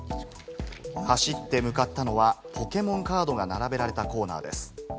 走って向かったのはポケモンカードが並べられたコーナーです。